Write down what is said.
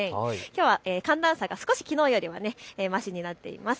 きょうは寒暖差が少し、きのうよりもましになっています。